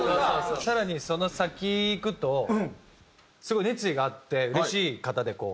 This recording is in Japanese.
更にその先いくとすごい熱意があってうれしい方でこう。